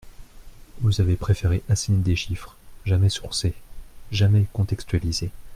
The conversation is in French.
Vous avez préféré asséner des chiffres, jamais « sourcés », jamais contextualisés.